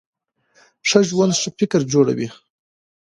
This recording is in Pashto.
ښه ژوند ښه فکر جوړوي.